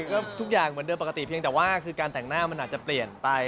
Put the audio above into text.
ก็ทุกอย่างเหมือนเดิมปกติเพียงแต่ว่าคือการแต่งหน้ามันอาจจะเปลี่ยนไป